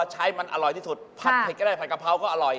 ใช้มันอร่อยที่สุดผัดเผ็ดก็ได้ผัดกะเพราก็อร่อย